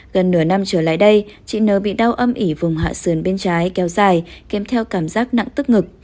gần nửa năm trở lại đây chị nờ bị đau âm ỉ vùng hạ sườn bên trái kéo dài kèm theo cảm giác nặng tức ngực